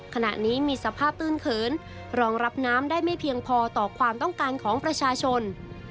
ขณะนี้มีสภาพตื้นเขินรองรับน้ำได้ไม่เพียงพอต่อความต้องการของประชาชน